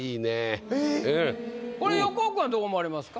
これ横尾君はどう思われますか？